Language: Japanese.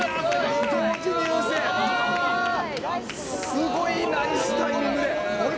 「すごいナイスタイミングで」